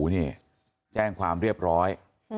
นี่แจ้งความเรียบร้อย